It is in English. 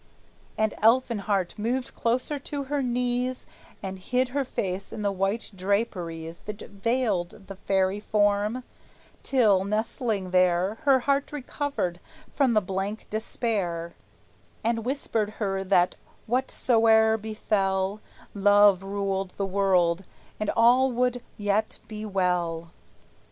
And Elfinhart moved closer to her knees And hid her face in the white draperies That veiled the fairy form, till, nestling there, Her heart recovered from that blank despair, And whispered her that whatsoe'er befell Love ruled the world, and all would yet be well.